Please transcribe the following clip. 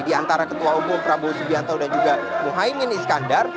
di antara ketua umum prabowo subianto dan juga muhaymin iskandar